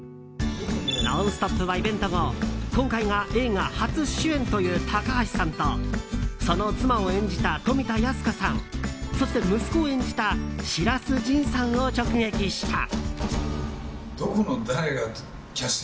「ノンストップ！」はイベント後今回が映画初主演という高橋さんとその妻を演じた富田靖子さんそして息子を演じた白洲迅さんを直撃した。